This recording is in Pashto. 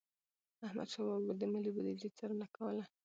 احمدشاه بابا به د ملي بوديجي څارنه کوله.